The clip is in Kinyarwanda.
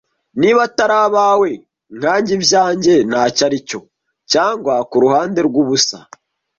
Niba atari abawe nkanjye ibyanjye ntacyo aricyo, cyangwa kuruhande rwubusa,